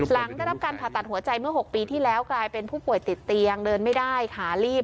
หลังได้รับการผ่าตัดหัวใจเมื่อ๖ปีที่แล้วกลายเป็นผู้ป่วยติดเตียงเดินไม่ได้ขาลีบ